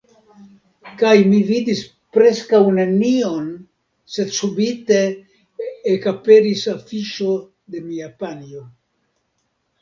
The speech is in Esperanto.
Kaj mi vidis preskaŭ nenion, sed subite, ekaperis afiŝo de mia panjo.